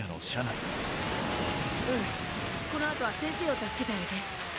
うんこの後は先生を助けてあげて。